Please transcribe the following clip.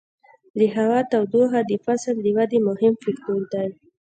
د هوا تودوخه د فصل د ودې مهم فکتور دی.